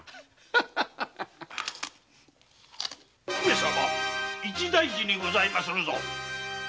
上様一大事にございまするぞ。